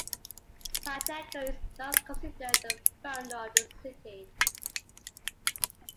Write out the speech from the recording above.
Pacheco is thus considered the founder of the city.